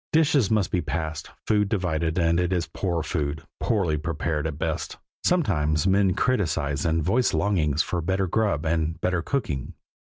Dishes must be passed, food divided, and it is poor food, poorly prepared at best. Sometimes men criticize and voice longings for better grub and better cooking.